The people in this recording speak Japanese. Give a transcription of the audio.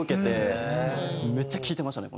めっちゃ聴いてましたね